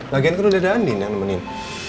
lagian kan udah ada andin yang nemenin